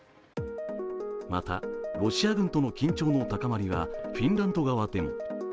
また、ロシア軍との緊張の高まりはフィンランド側でも。